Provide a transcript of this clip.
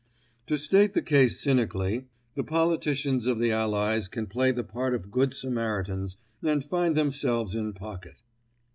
To state the case cynically, the politicians of the Allies can play the part of Good Samaritans and find themselves in pocket.